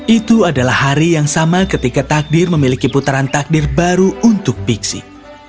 itu adalah hari yang sama ketika takdir memiliki putaran takdir baru untuk biksi